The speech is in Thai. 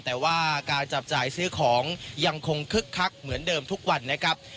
แต่ว่าการจับจ่ายซื้อของยังคงคึกคักเหมือนเดิมทุกวันนะครับ